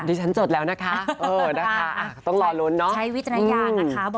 ดิฉันจดแล้วนะคะเออนะคะ